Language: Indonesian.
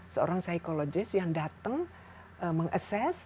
seorang psikologis yang datang meng assess